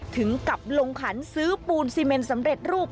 ถึงกับลงขันซื้อปูนซีเมนสำเร็จรูป